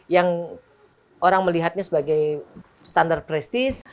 yang orang melihatnya sebagai standar prestis